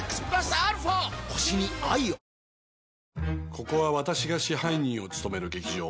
ここは私が支配人を務める劇場。